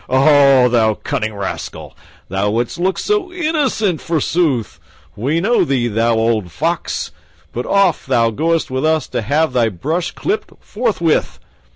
Oho! thou cunning rascal! thou wouldst look so innocent, forsooth! We know thee, thou old fox. But off thou goest with us to have thy brush clipped forthwith."